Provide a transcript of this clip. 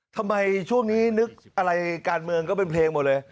ทำไมช่วงนี้นึกอะไรการเมืองก็เป็นเพลงหมดเลย